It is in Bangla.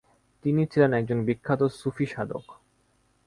তিনি ছিলেন একজন বিখ্যাত সুফী সাধক।